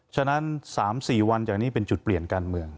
ฉะนั้น๓๔วันจากนี้เป็นจุดเปลี่ยนการเมือง